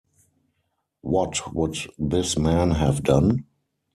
What would this man have done?